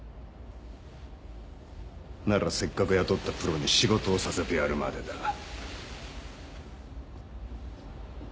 ならせっかく雇ったプロに仕事をさせてやるまでだ。